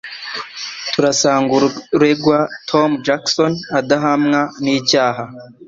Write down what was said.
Turasanga uregwa, Tom Jackson, adahamwa n'icyaha.